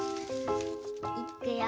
いっくよ。